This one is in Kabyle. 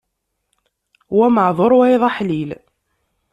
Wa maεduṛ, wayeḍ aḥlil.